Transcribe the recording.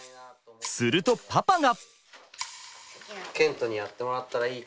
するとパパが。